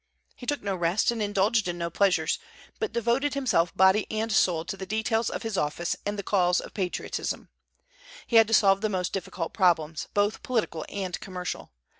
He took no rest and indulged in no pleasures, but devoted himself body and soul to the details of his office and the calls of patriotism. He had to solve the most difficult problems, both political and commercial.